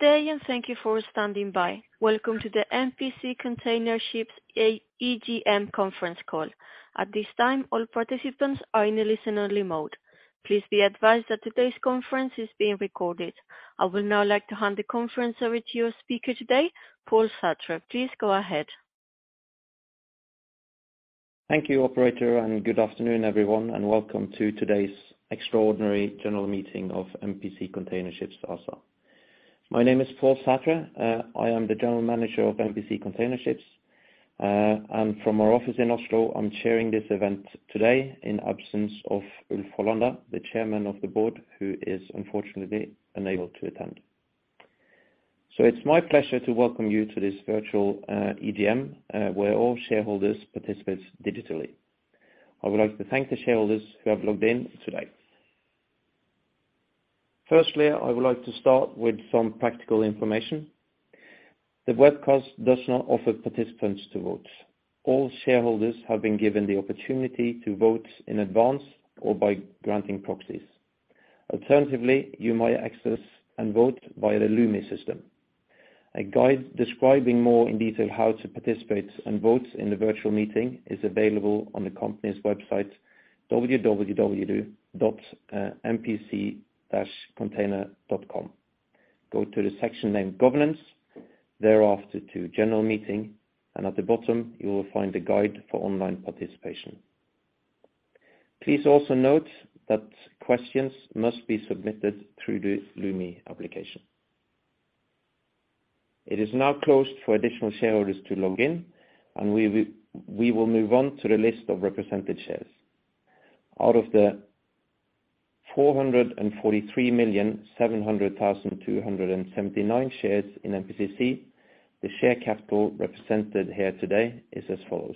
Good day, thank you for standing by. Welcome to the MPC Container Ships EGM conference call. At this time, all participants are in a listen only mode. Please be advised that today's conference is being recorded. I would now like to hand the conference over to your speaker today, Pål Sætre. Please go ahead. Thank you, operator, good afternoon, everyone, and welcome to today's Extraordinary General Meeting of MPC Container Ships ASA. My name is Pål Sætre. I am the General Manager of MPC Container Ships. From our office in Oslo, I'm chairing this event today in absence of Ulf Holländer, the Chairman of the Board, who is unfortunately unable to attend. It's my pleasure to welcome you to this virtual EGM, where all shareholders participate digitally. I would like to thank the shareholders who have logged in today. I would like to start with some practical information. The webcast does not offer participants to vote. All shareholders have been given the opportunity to vote in advance or by granting proxies. Alternatively, you may access and vote via the Lumi system. A guide describing more in detail how to participate and vote in the virtual meeting is available on the company's website, www.mpc-container.com. Go to the section named Governance, thereafter to General Meeting, and at the bottom you will find a guide for online participation. Please also note that questions must be submitted through the Lumi application. It is now closed for additional shareholders to log in, and we will move on to the list of represented shares. Out of the 443,700,279 shares in MPCC, the share capital represented here today is as follows: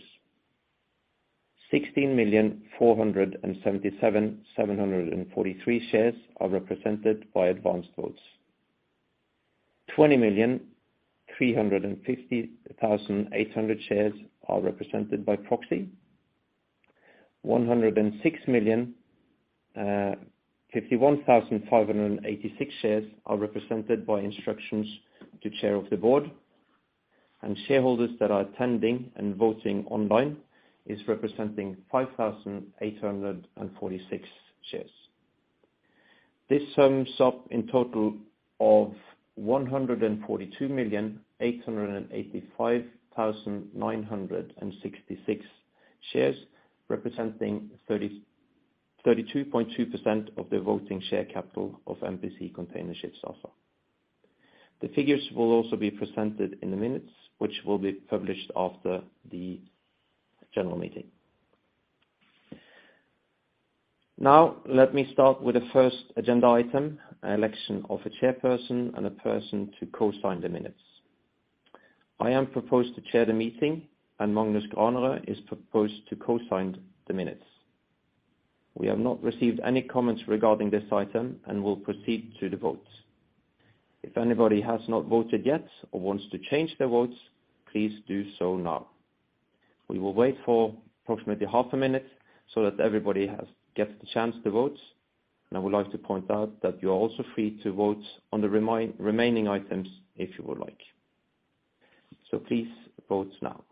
16,477,743 shares are represented by advanced votes. 20,350,800 shares are represented by proxy. 106,051,586 shares are represented by instructions to chair of the board. Shareholders that are attending and voting online is representing 5,846 shares. This sums up in total of 142,885,966 shares, representing 32.2% of the voting share capital of MPC Container Ships ASA. The figures will also be presented in the minutes, which will be published after the general meeting. Let me start with the first agenda item, election of a chairperson and a person to co-sign the minutes. I am proposed to chair the meeting and Magnus Granerød is proposed to co-sign the minutes. We have not received any comments regarding this item and will proceed to the votes. If anybody has not voted yet or wants to change their votes, please do so now. We will wait for approximately half a minute so that everybody gets the chance to vote. I would like to point out that you are also free to vote on the remaining items if you would like. Please vote now.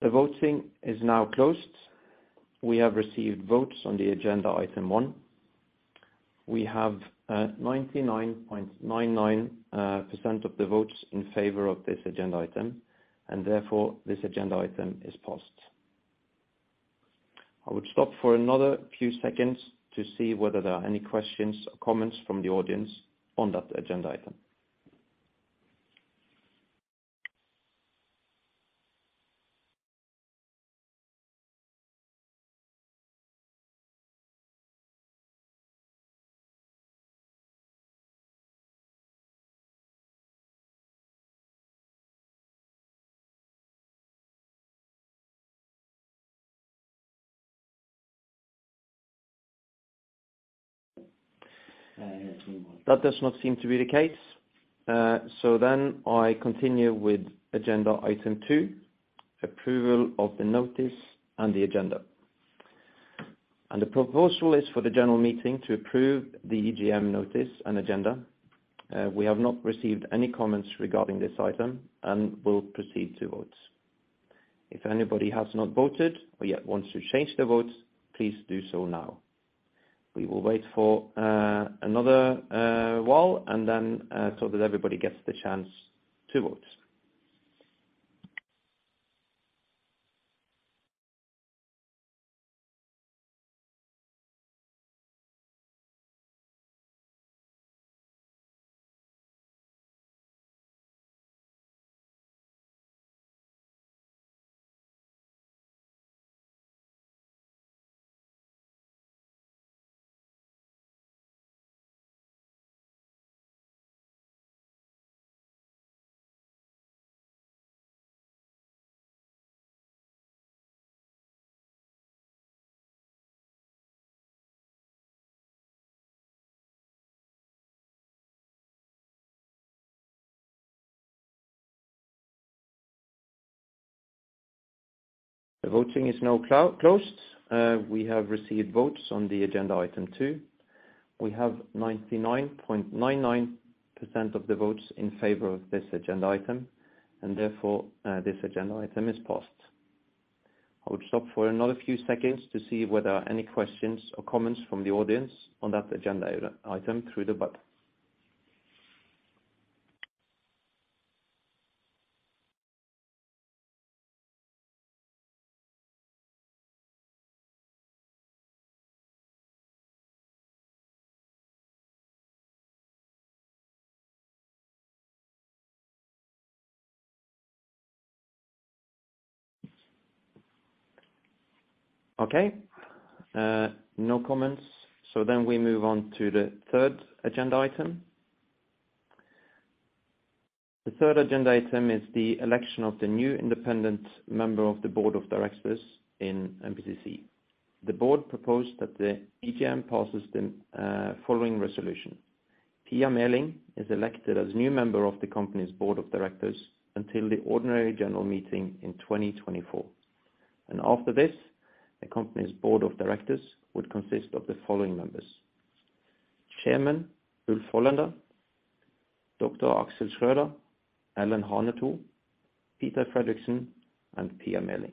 The voting is now closed. We have received votes on the agenda item one. We have 99.99% of the votes in favor of this agenda item, and therefore this agenda item is passed. I would stop for another few seconds to see whether there are any questions or comments from the audience on that agenda item. That does not seem to be the case. I continue with agenda item two, approval of the notice and the agenda. The proposal is for the general meeting to approve the EGM notice and agenda. We have not received any comments regarding this item and will proceed to votes. If anybody has not voted or yet wants to change their votes, please do so now. We will wait for another while and then so that everybody gets the chance to vote. The voting is now closed. We have received votes on the agenda item two. We have 99.99% of the votes in favor of this agenda item, and therefore, this agenda item is passed. I would stop for another few seconds to see whether are any questions or comments from the audience on that agenda item through the button. Okay, no comments. We move on to the third agenda item. The third agenda item is the election of the new independent member of the board of directors in MPCC. The board proposed that the EGM passes the following resolution. Pia Meling is elected as new member of the company's board of directors until the ordinary general meeting in 2024. After this, the company's board of directors would consist of the following members: Chairman Ulf Holländer, Dr. Axel Schröder, Ellen Hanetho, Peter Frederiksen, and Pia Meling.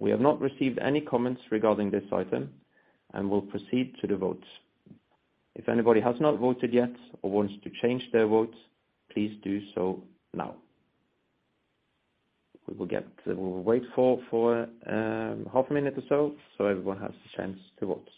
We have not received any comments regarding this item, and we'll proceed to the votes. If anybody has not voted yet or wants to change their votes, please do so now. We will wait for half a minute or so everyone has a chance to vote.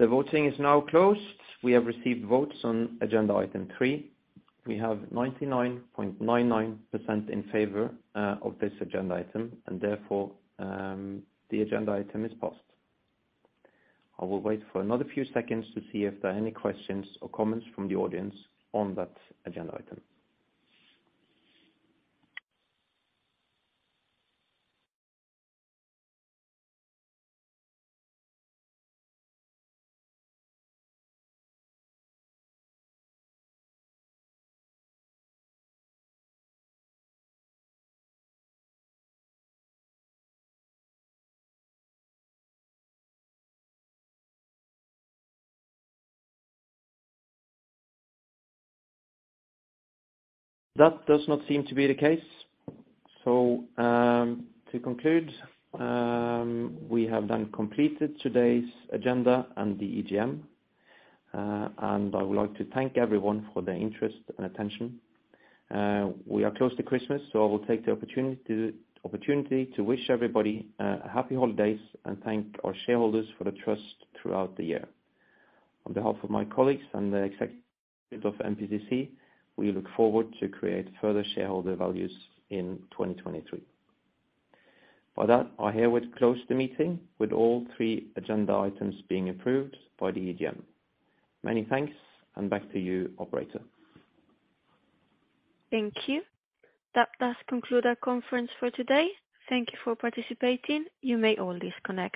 The voting is now closed. We have received votes on agenda item three. We have 99.99% in favor of this agenda item, and therefore, the agenda item is passed. I will wait for another few seconds to see if there are any questions or comments from the audience on that agenda item. That does not seem to be the case. To conclude, we have then completed today's agenda and the EGM. I would like to thank everyone for their interest and attention. We are close to Christmas, I will take the opportunity to wish everybody happy holidays, and thank our shareholders for the trust throughout the year. On behalf of my colleagues and the executive of MPCC, we look forward to create further shareholder values in 2023. For that, I herewith close the meeting with all three agenda items being approved by the EGM. Many thanks, and back to you, operator. Thank you. That does conclude our conference for today. Thank you for participating. You may all disconnect.